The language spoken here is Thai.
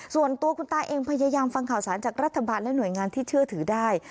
ส่วนตัวคุณตาเองพยายามฟังข่าวสารจากรัฐบาลและหน่วยงานที่เชื่อถือได้